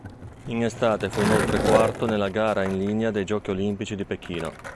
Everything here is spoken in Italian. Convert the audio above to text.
In estate fu inoltre quarto nella gara in linea dei Giochi olimpici di Pechino.